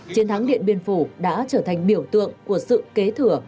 chiến thắng điện biên phủ đã trở thành biểu tượng của sự kế thừa